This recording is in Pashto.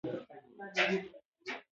ځوانان د نړیوالو بدلونونو مخکښان دي.